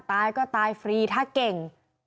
ตายก็ตายฟรีถ้าเก่ง